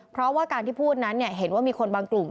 เพราะว่าการที่พูดนั้นเห็นว่ามีคนบางกลุ่ม